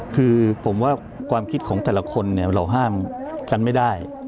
คือผมว่าความคิดของแต่ละคนเนี่ยเราห้ามกันไม่ได้